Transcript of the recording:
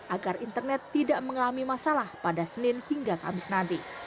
agar internet tidak mengalami masalah pada senin hingga kamis nanti